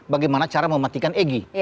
bagaimana cara mematikan egy